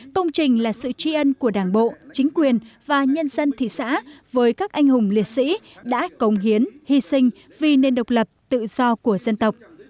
công trình là sự tri ân của đảng bộ chính quyền và nhân dân thị xã với các anh hùng liệt sĩ đã cống hiến hy sinh vì nền độc lập tự do của dân tộc